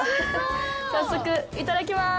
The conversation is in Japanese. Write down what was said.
早速、いただきます。